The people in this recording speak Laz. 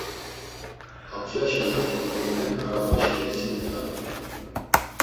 Abcaşa na ingrinen arabaşi resimi ğaruy.